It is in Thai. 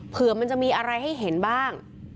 เผื่อมันจะมีอะไรให้เห็นบ้าง